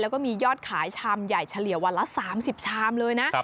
แล้วก็มียอดขายชามใหญ่เฉลี่ยวันละ๓๐ชามเลยนะ